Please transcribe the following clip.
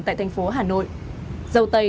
tại thành phố hà nội sầu tây